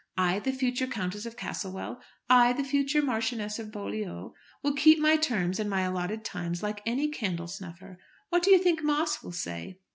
I, the future Countess of Castlewell; I, the future Marchioness of Beaulieu, will keep my terms and my allotted times like any candle snuffer. What do you think Moss will say?"